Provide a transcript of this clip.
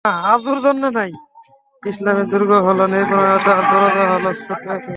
ইসলামের দূর্গ হল ন্যায়পরায়ণতা আর দরজা হল সত্যাশ্রয়িতা।